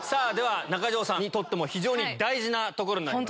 中条さんにとっても非常に大事なところになります。